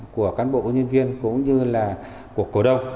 của cán bộ công nhân viên cũng như là của cổ đông